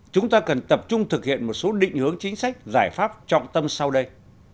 chúng ta cần tập trung thực hiện một số định hướng chính sách giải pháp trọng tâm sau đây